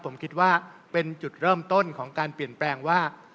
ผมคิดว่าเป็นจุดเริ่มต้นของการเปลี่ยนแปลงว่า